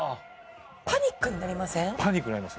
パニックになります